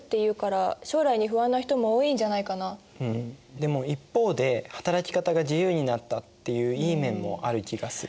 でも一方で働き方が自由になったっていういい面もある気がする。